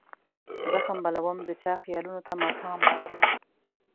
زخم بلوم د چا خیالونو ته ماښام راغلي